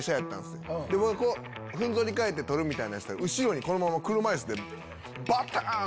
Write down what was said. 踏ん反り返って撮るみたいなんしたら後ろにこのまま車椅子でバタン！